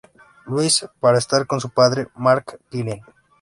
Louis para estar con su padre, Mark Greene.